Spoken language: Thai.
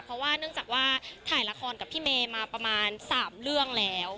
เพราะว่าเนื่องจากว่าถ่ายละครกับพี่เมย์มาประมาณ๓เรื่องแล้ว